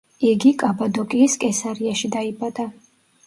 იგი კაბადოკიის კესარიაში დაიბადა.